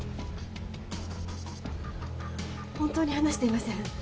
本当に話していません。